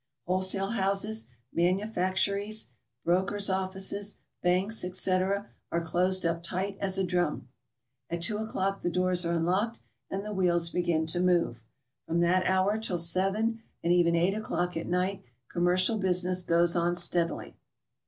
Wholesale houses, manufactories, brokers' offices, banks, etc., are closed up tight as a drum. At 2 o'clock the doors are unlocked, and the wheels begin to move. From that hour till 7 and even 8 o'clock at night commercial business goes on steadily.